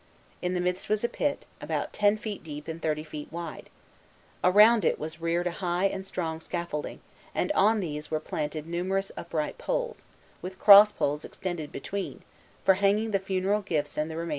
In the midst was a pit, about ten feet deep and thirty feet wide. Around it was reared a high and strong scaffolding; and on this were planted numerous upright poles, with cross poles extended between, for hanging the funeral gifts and the remains of the dead.